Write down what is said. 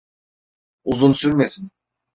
Uzun sürmesin.